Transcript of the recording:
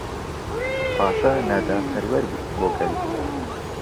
پاشا ناداپەروەر بوو بۆ گەل.